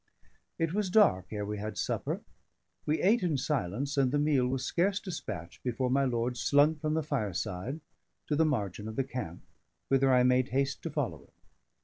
It was dark ere we had supper; we ate in silence, and the meal was scarce despatched before my lord slunk from the fireside to the margin of the camp; whither I made haste to follow him.